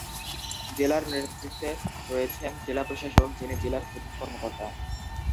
জেলার নেতৃত্বে রয়েছেন জেলা প্রশাসক, যিনি জেলার প্রধান কর্মকর্তা।